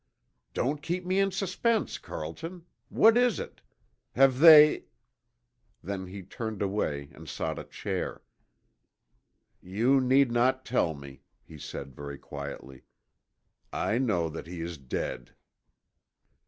"Don't keep me in suspense, Carlton! What is it? Have they " Then he turned away and sought a chair. "You need not tell me," he said very quietly. "I know that he is dead."